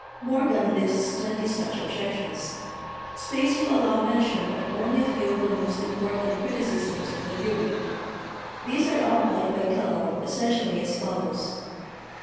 Morgan lists twenty such objections. Space will allow mention of only a few of the most important criticisms! of the theory. These are outlined by Kellogg essentially as follows.